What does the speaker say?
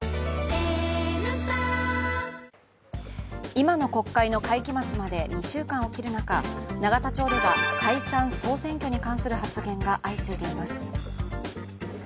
今の国会の会期末まで２週間を切る中永田町では解散・総選挙に関する発言が相次いでいます。